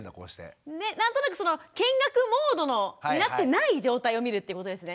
何となくその見学モードになってない状態を見るってことですね。